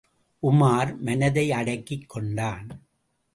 உமார் மனதை அடக்கிக் கொண்டான்.